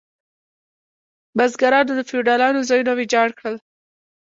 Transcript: بزګرانو د فیوډالانو ځایونه ویجاړ کړل.